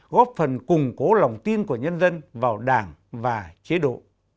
góp phần củng cố lòng tin của nhân dân vào đảng và chế độ